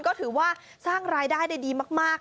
ก็ถือว่าสร้างรายได้ได้ดีมาก